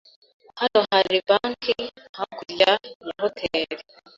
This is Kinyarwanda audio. Hano hari banki hakurya ya hoteri.